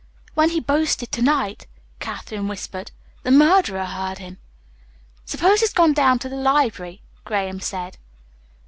"When he boasted to night," Katherine whispered, "the murderer heard him." "Suppose he's gone down to the library?" Graham said.